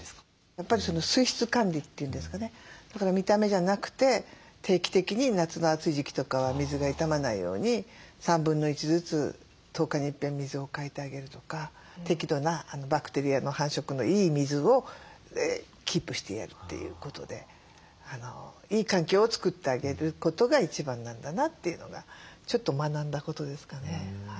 やっぱり水質管理っていうんですかねだから見た目じゃなくて定期的に夏の暑い時期とかは水が傷まないように1/3ずつ１０日にいっぺん水を替えてあげるとか適度なバクテリアの繁殖のいい水をキープしてやるということでいい環境を作ってあげることが一番なんだなというのがちょっと学んだことですかね。